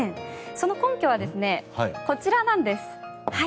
その根拠はこちらなんです。